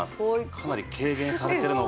かなり軽減されているのが。